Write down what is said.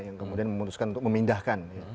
yang kemudian memutuskan untuk memindahkan